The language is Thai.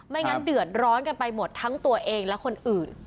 งั้นเดือดร้อนกันไปหมดทั้งตัวเองและคนอื่น